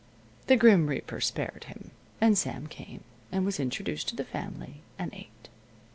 The Grim Reaper spared him, and Sam came, and was introduced to the family, and ate.